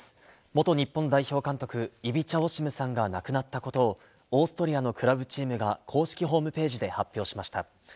元日本代表監督、イビチャ・オシムさんが亡くなったことをオーストリアのクラブチームが公式ホームページで発表しました。